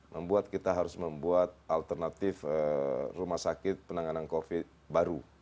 membuat kita harus membuat alternatif rumah sakit penanganan covid baru